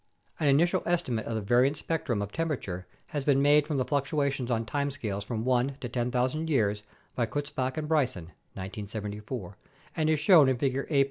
An initial estimate of the variance spectrum of temperature has been made from the fluctuations on time scales from 1 to 10,000 years by Kutzbach and Bryson (1974) and is shown in Figure A.